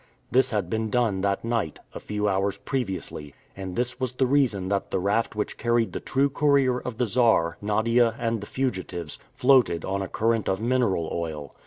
This had been done that night, a few hours previously, and this was the reason that the raft which carried the true Courier of the Czar, Nadia, and the fugitives, floated on a current of mineral oil.